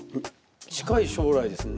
近い将来ですね。